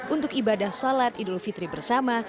untuk ibadah sholat idul fitri bersama